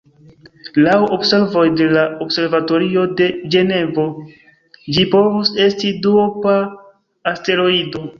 Laŭ observoj de la Observatorio de Ĝenevo, ĝi povus esti duopa asteroido.